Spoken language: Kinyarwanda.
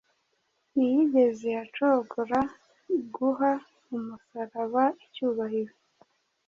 ntiyigeze acogora guha umusaraba icyubahiro.